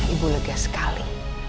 ibu lega sekali